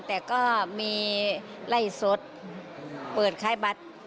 แต่ก็มีไล่สดเปิดคล้ายบัตร